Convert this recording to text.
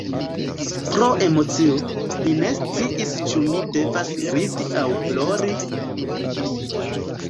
Pro emocio, mi ne sciis ĉu mi devas ridi aŭ plori...